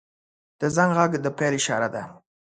• د زنګ غږ د پیل اشاره ده.